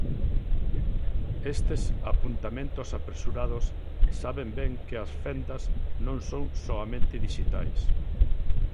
Estes apuntamentos apresurados saben ben que as fendas non son soamente dixitais.